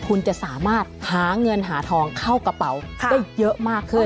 คุณจะสามารถหาเงินหาทองเข้ากระเป๋าได้เยอะมากขึ้น